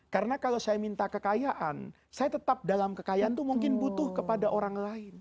karena kalau saya minta kekayaan saya tetap dalam kekayaan itu mungkin butuh kepada orang lain